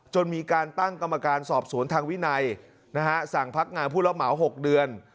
จนมีการตั้งกรรมการสอบสวนทางวินัยสั่งพักงานผู้รับเหมา๖เดือน